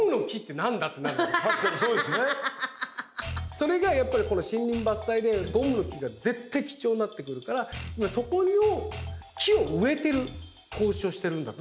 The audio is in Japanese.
それがやっぱりこの森林伐採でゴムの木が絶対貴重になってくるから今そこの木を植えてる投資をしてるんだと。